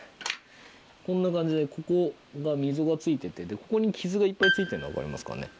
こんな感じでここ溝が付いててここに傷がいっぱい付いてんの分かりますかね？